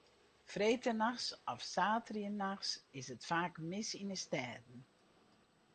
Freedtenachts of saterdeitenachts is it faak mis yn de stêden.